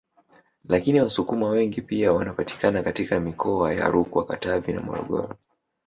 Lakini Wasukuma wengi pia wanapatikana katika mikoa ya Rukwa Katavi na Morogoro